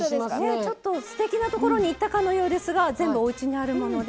ちょっとすてきなところに行ったかのようですが全部おうちにあるもので。